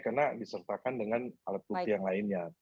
karena disertakan dengan alat bukti yang lainnya